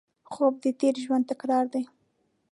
خوب د تېر ژوند تکرار دی